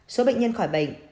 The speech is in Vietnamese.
số bệnh nhân khỏi bệnh